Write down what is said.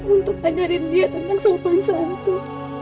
untuk ajarin dia tentang sopan santu